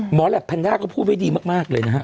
แหลปแพนด้าก็พูดไว้ดีมากเลยนะฮะ